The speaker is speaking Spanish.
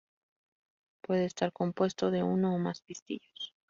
Puede estar compuesto de uno o más pistilos.